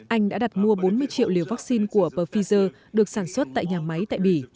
anh đã đặt mua bốn mươi triệu liều vaccine của pfizer được sản xuất tại nhà máy tại bỉ